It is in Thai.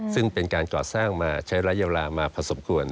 ซึ่งเป็นการก่อสร้างมาใช้ระยะเวลามาพอสมควร